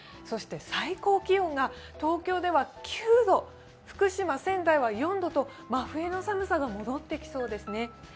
そして最高気温が東京では９度、福島、仙台は４度と、真冬の寒さが戻ってきそうですね。